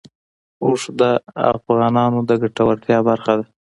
اوښ د افغانانو د ګټورتیا برخه ده.